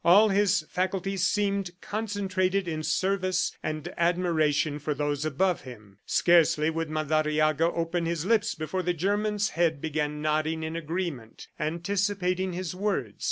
All his faculties seemed concentrated in service and admiration for those above him. Scarcely would Madariaga open his lips before the German's head began nodding in agreement, anticipating his words.